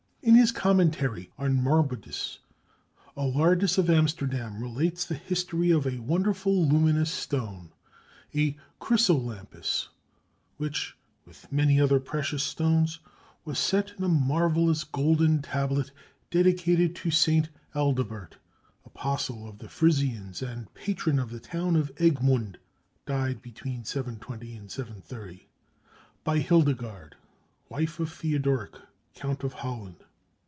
In his commentary on Marbodus, Alardus of Amsterdam relates the history of a wonderful luminous stone, a "chrysolampis," which, with many other precious stones, was set in a marvellous golden tablet dedicated to St. Adelbert, apostle of the Frisians and patron of the town of Egmund (d. 720 730), by Hildegard, wife of Theodoric, Count of Holland.